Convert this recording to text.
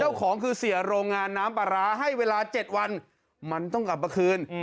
เจ้าของคือเสียโรงงานน้ำปลาร้าให้เวลา๗วันมันต้องกลับมาคืน